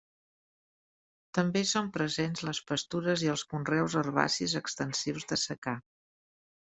També hi són presents les pastures i els conreus herbacis extensius de secà.